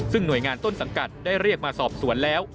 ซึ่งหน่วยงานต้นสังกัดได้เรียกมาสอบสวนแล้ว